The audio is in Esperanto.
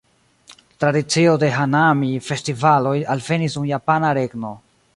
Tradicio de "hanami"-festivaloj alvenis dum japana regno.